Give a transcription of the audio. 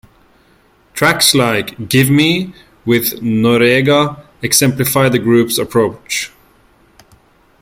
Tracks like "Give Me", with Noreaga exemplify the group's approach.